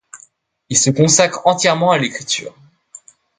Il se consacre entièrement à l’écriture.